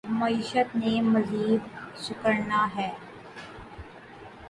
معیشت نے مزید سکڑنا ہے۔